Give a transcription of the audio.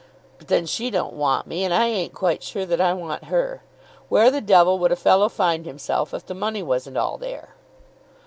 "But then she don't want me, and I ain't quite sure that I want her. Where the devil would a fellow find himself if the money wasn't all there?"